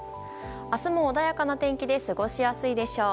明日も穏やかな天気で過ごしやすいでしょう。